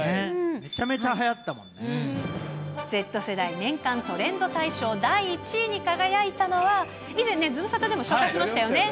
めちゃめちゃはやＺ世代年間トレンド大賞第１位に輝いたのは、以前ね、ズムサタでも紹介しましたよね。